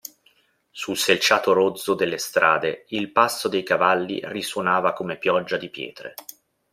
Sul selciato rozzo delle strade il passo dei cavalli risuonava come pioggia di pietre.